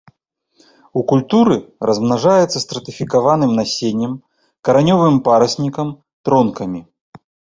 У культуры размнажаецца стратыфікаваным насеннем, каранёвым параснікам, тронкамі.